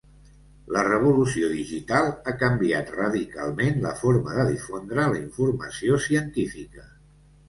La revolució digital ha canviat radicalment la forma de difondre la informació científica.